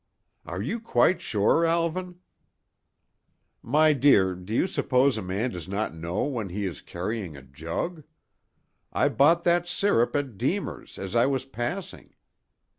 "Are you quite sure, Alvan?" "My dear, do you suppose a man does not know when he is carrying a jug? I bought that sirup at Deemer's as I was passing.